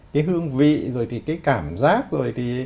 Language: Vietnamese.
cái hương vị rồi thì cái cảm giác rồi thì